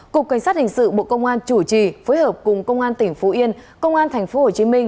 cục cảnh sát hình sự bộ công an chủ trì phối hợp cùng công an tỉnh phú yên công an tp hcm